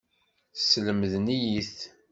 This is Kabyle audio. Slemden-iyi-t.